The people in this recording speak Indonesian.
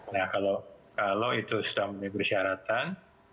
nah kalau itu sudah memenuhi persyaratan